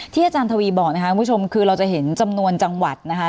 อาจารย์ทวีบอกนะคะคุณผู้ชมคือเราจะเห็นจำนวนจังหวัดนะคะ